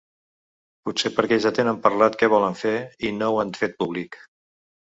Potser perquè ja tenen parlat què volen fer i no ho han fet públic.